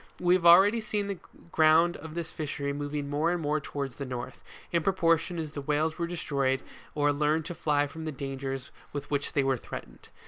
We have already seen the ground of this fishery moving more and more towards the north, in proportion as the whales were destroyed or learned to fly from the dangers with which they were threatened.